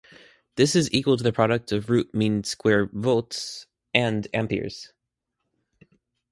This is equal to the product of root-mean-square volts and amperes.